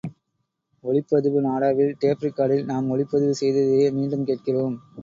ஒலிப்பதிவு நாடாவில் டேப் ரிக்கார்டரில் நாம் ஒலிப்பதிவு செய்ததையே மீண்டும் கேட்கிறோம்.